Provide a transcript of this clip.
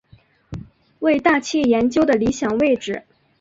为大气研究的理想位置。